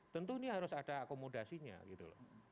tentu ini harus ada akomodasinya gitu loh